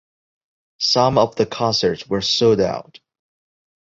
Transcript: Some of the concerts were sold out.